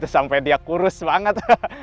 sampai dia kurus banget